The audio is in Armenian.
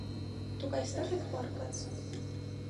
Դուք այստեղ ե՞ք պառկած: